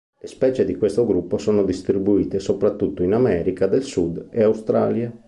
Le specie di questo gruppo sono distribuire soprattutto in America del Sud e Australia.